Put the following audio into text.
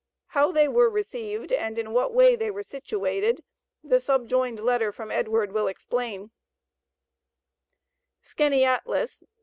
How they were received and in what way they were situated, the subjoined letter from Edward will explain: SKANEATELES, Dec.